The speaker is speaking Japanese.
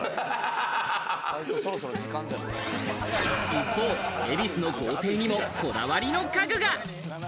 一方、恵比寿の豪邸にもこだわりの家具が！